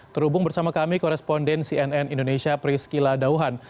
terhubung bersama kami koresponden cnn indonesia prisky ladauhan